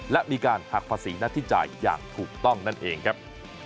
และมีการหักภาษีนัดที่จ่ายอย่างถูกต้องนั่นเองครับ